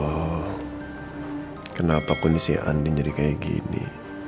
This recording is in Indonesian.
oh kenapa kondisi anda jadi kayak gini